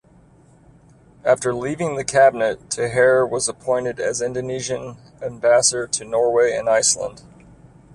After leaving the cabinet, Taher was appointed as Indonesian ambassador to Norway and Iceland.